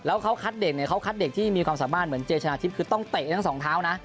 แล้วเขาคัดเด็กเนี่ยเขาคัดเด็กที่มีความสามารถเหมือนเจชนะทิพย์คือต้องเตะทั้งสองเท้านะ